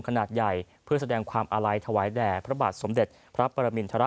ขนาดใหญ่เพื่อแสดงความอาลัยถวายแด่พระบาทสมเด็จพระปรมินทร